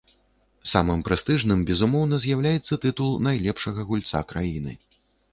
Самым прэстыжным, безумоўна, з'яўляецца тытул найлепшага гульца краіны.